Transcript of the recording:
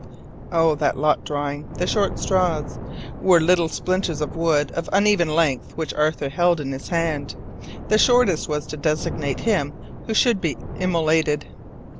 Oh, that lot drawing! The "short straws" were little splinters of wood of uneven length which Arthur Pym held in his hand. The shortest was to designate him who should be immolated.